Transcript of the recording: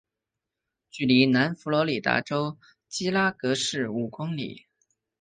距离南佛罗里达州基拉戈市五公里。